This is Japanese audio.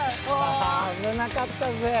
あぶなかったぜ！